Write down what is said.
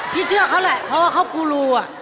เชื่อเขาแหละเพราะว่าเขากูรูอ่ะ